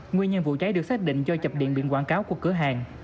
nguyên nhân vụ cháy được xác định do chập điện biển quảng cáo của cửa hàng